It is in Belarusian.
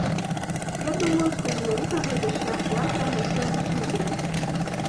Я думаю, што менавіта гэта шлях тэатра на сённяшні дзень.